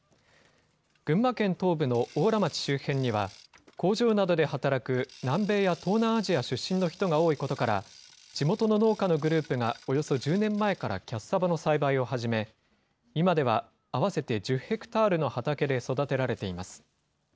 群馬県東部の邑楽町周辺には、工場などで働く南米や東南アジア出身の人が多いことから、地元の農家のグループがおよそ１０年前からキャッサバの栽培を始め、今では合わせて１０ヘクタールの畑で育てられています。